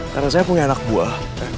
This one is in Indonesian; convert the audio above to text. karena saya punya anak buah